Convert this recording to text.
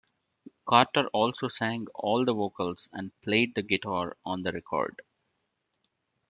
Carter also sang all the vocals and played the guitar on the record.